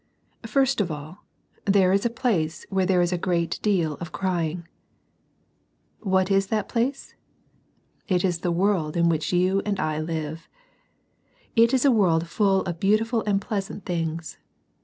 I. First of all, there is a place where THERE IS A GREAT DEAL OF CRYING. What is that place ? It is the world in which you and I live. It is a world full of beautiful and pleasant things.